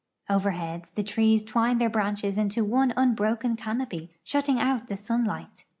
Overhead the trees twine their branches into one unbroken canopy, shutting out the sunlight.